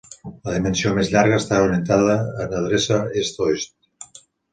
La dimensió més llarga està orientada en adreça est-oest.